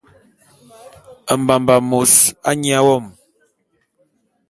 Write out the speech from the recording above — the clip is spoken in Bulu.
Mbamba’a e mos nya wom.